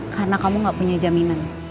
karena kamu gak punya jaminan